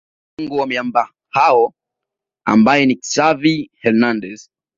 kiungo wa miamba hao ambaye ni Xavi Hernandez